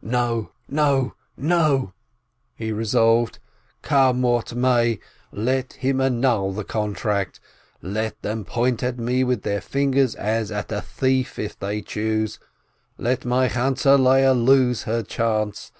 "No I no ! no !" he resolved, "come what may, let him annul the contract, let them point at me with their fingers as at a thief, if they choose, let my Chantzeh Leah lose her chance!